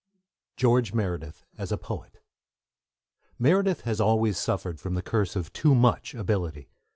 GEORGE MEREDITH AS A POET Meredith has always suffered from the curse of too much ability.